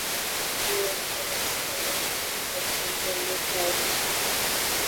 তুর্কমেনিস্তানে এটি প্রথম পণ্য ফ্লাইট ছিল।